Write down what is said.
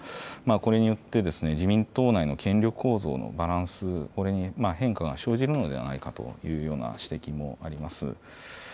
これによって自民党内の権力構造のバランス、これに変化が生じるのではないかという指摘もあります。